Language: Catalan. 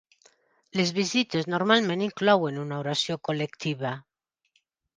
Les visites normalment inclouen una oració col·lectiva.